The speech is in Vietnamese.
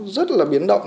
rất là biến động